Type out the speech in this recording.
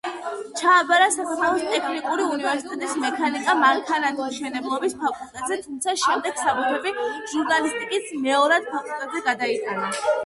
ჩააბარა საქართველოს ტექნიკური უნივერსიტეტის მექანიკა-მანქანათმშენებლობის ფაკულტეტზე, თუმცა შემდეგ საბუთები ჟურნალისტიკის მეორად ფაკულტეტზე გადაიტანა.